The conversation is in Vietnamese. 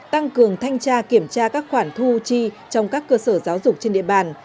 tăng cường thanh tra kiểm tra các khoản thu chi trong các cơ sở giáo dục trên địa bàn